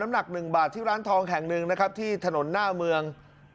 หนัก๑บาทที่ร้านทองแห่งหนึ่งนะครับที่ถนนหน้าเมือง